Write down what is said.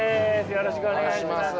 よろしくお願いします。